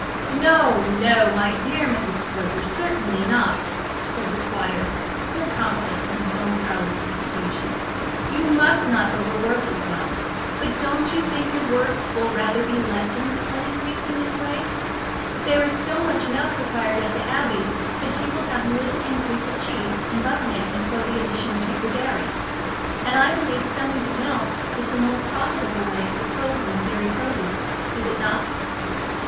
"No, no, my dear Mrs. Poyser, certainly not," said the squire, still confident in his own powers of persuasion, "you must not overwork yourself; but don't you think your work will rather be lessened than increased in this way? There is so much milk required at the Abbey that you will have little increase of cheese and butter making from the addition to your dairy; and I believe selling the milk is the most profitable way of disposing of dairy produce, is it not?"